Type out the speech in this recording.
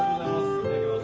いただきます！